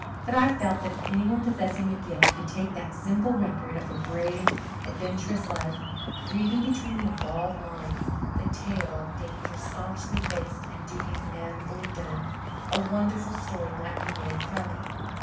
But I felt that if anyone possessing the gift could take that simple record of a brave, adventurous life, reading between the bald lines the tale of dangers staunchly faced and duties manfully done, a wonderful story might be made from it.